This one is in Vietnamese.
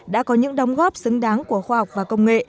đã có những đóng góp xứng đáng của khoa học và công nghệ